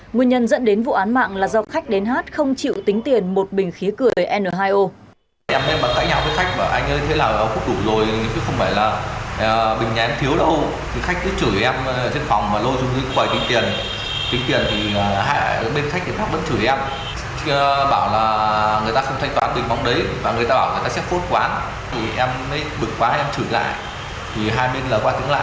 nguyên nhân dẫn đến vụ án mạng là do khách đến hát không chịu tính tiền một bình khí cười n hai o